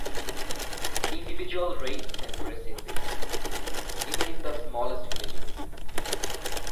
Individual rate centres exist even in the smallest villages.